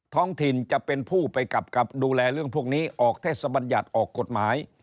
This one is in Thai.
ท้องถิ่นจะเป็นผู้ไปกับดูแลเรื่องพวกนี้ออกเทศบัญญัติออกกฎหมาย